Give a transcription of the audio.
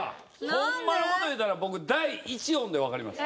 ホンマの事言うたら僕第一音でわかりました。